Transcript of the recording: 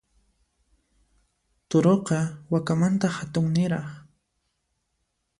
Turuqa, wakamanta hatunniraq.